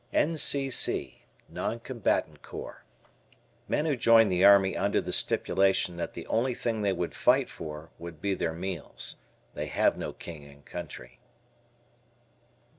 N.C.C. Non Combatant Corps. Men who joined the Army under the stipulation that the only thing they would fight for would be their meals. They have no "King and Country."